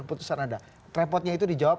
putusan anda repotnya itu dijawab